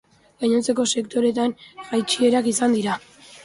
Gainontzeko sektoreetan jaitsierak izan dira.